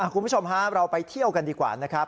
คุณผู้ชมฮะเราไปเที่ยวกันดีกว่านะครับ